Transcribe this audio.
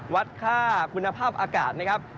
วัดค่าคุณภาพอากาศนะครับ